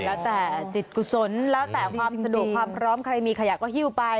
แล้วแต่จิตกุศลแล้วแต่ความสะดวกความพร้อมใครมีขยะก็ฮิ้วไป